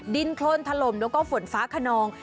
ดินโครนถล่มแล้วก็ฝนฟ้าขนอง